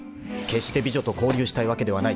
［決して美女と交流したいわけではない］